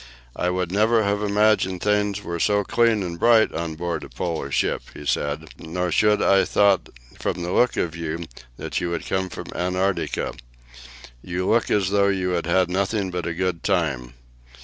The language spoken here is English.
"I should never have imagined things were so clean and bright on board a Polar ship," he said; "nor should I have thought from the look of you that you had come from Antarctica. You look as if you had had nothing but a good time."